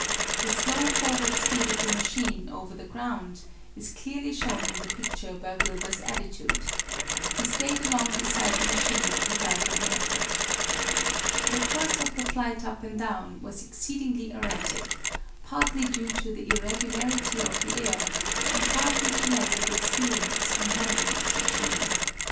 The slow forward speed of the machine over the ground is clearly shown in the picture by Wilbur's attitude. He stayed along beside the machine without any effort. The course of the flight up and down was exceedingly erratic, partly due to the irregularity of the air, and partly to lack of experience in handling this machine.